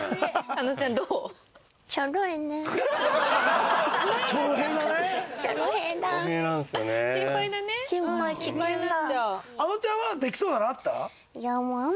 あのちゃんはできそうなのあった？